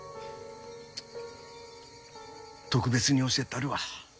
特別に教えたるわ。